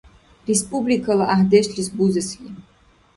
Республикала гӏяхӏдешлис бузесли